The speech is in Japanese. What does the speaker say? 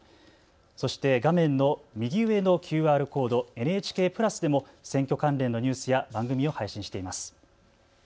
そして画面の右上のＱＲコードＮＨＫプラスでも選挙関連のニュースや番組を配信しています。